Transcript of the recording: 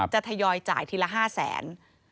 จะทยอยจ่ายทีละ๕๐๐๐๐๐บาท